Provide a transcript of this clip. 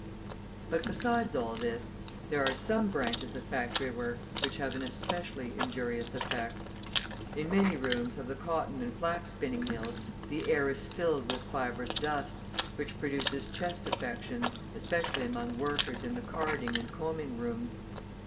But besides all this, there are some branches of factory work which have an especially injurious effect. In many rooms of the cotton and flax spinning mills, the air is filled with fibrous dust, which produces chest affections, especially among workers in the carding and combing rooms.